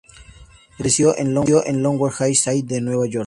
Creció en el Lower East Side de Nueva York.